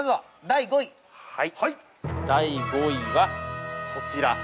◆第５位は、こちら。